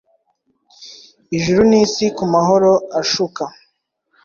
Ijuru n'isi kumahoro ashuka.